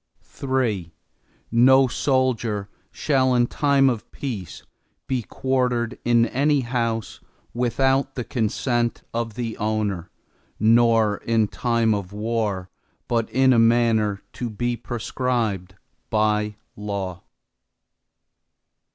III No soldier shall, in time of peace be quartered in any house, without the consent of the owner, nor in time of war, but in a manner to be prescribed by law.